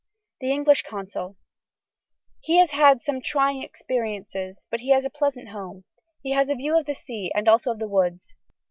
(The English Consul.) He has had some trying experiences but he has a pleasant home. He has a view of the sea and also of the woods.